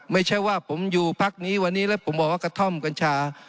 ไม่ใช่ว่าผมอยู่พักนี้วันนี้แล้วผมบอกว่ากระท่อมกัญชา